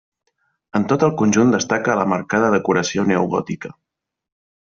En tot el conjunt destaca la marcada decoració neogòtica.